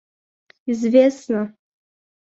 известно